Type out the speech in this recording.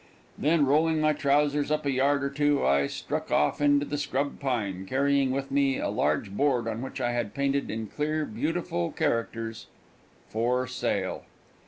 Then rolling my trousers up a yard or two, I struck off into the scrub pine, carrying with me a large board on which I had painted in clear, beautiful characters: FOR SALE.